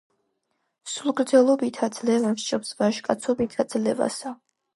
სულრგრძელობითა ძლევა სჯობს, ვაჟკაცობითა ძლევასა.